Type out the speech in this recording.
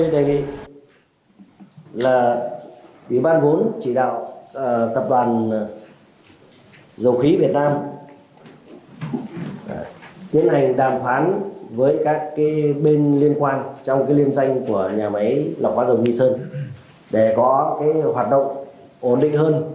để có hoạt động ổn định hơn trong thời gian tới